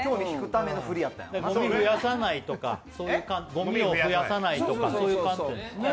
ごみを増やさないとか、そういう観点ですね。